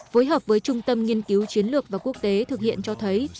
phối hợp với trung tâm nghiên cứu chiến lược và quốc tế thực hiện cho thấy